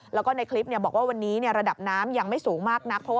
แล้วก็ในคลิปบอกว่าวันนี้ระดับน้ำยังไม่สูงมากนัก